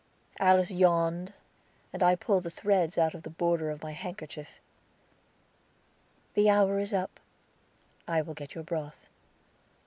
Alice yawned, and I pulled the threads out of the border of my handkerchief. "The hour is up; I will get your broth."